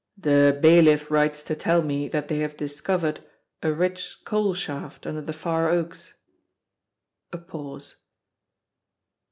"The bailiff writes to tell me that they have discovered a rich coal shaft under the Far Oaks." A pause.